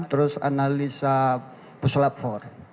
terus analisa pusulap for